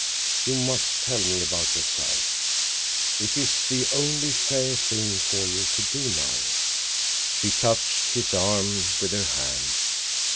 You must tell me about yourself. It is the only fair thing for you to do now." She touched his arm with her hand.